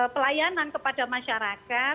pelayanan kepada masyarakat